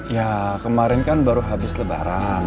ya kemarin kan baru habis lebaran